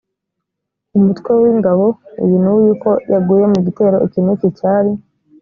umutwe w ingabo uyu n uyu ko yaguye mu gitero iki n iki cyari